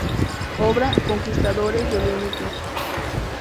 Obra: "Conquistadores de lo inútil"